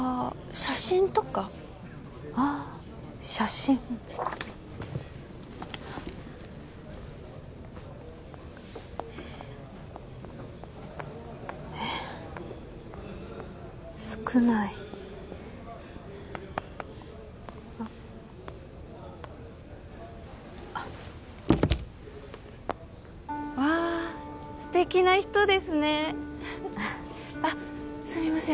写真とかああ写真えっ少ないあっあっわあ素敵な人ですねあっすみません